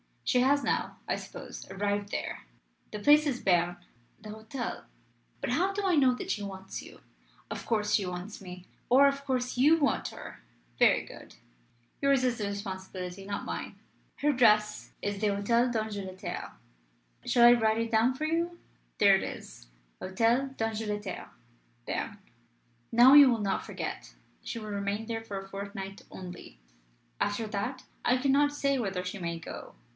She has now, I suppose, arrived there. The place is Berne; the Hotel . But how do I know that she wants you?" "Of course she wants me." "Or of course you want her? Very good. Yours is the responsibility, not mine. Her address is the Hotel d'Angleterre. Shall I write it down for you? There it is. 'Hotel d'Angleterre, Berne.' Now you will not forget. She will remain there for one fortnight only. After that, I cannot say whither she may go.